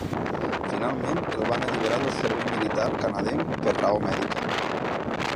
Finalment el van alliberar del servei militar canadenc per raó mèdica.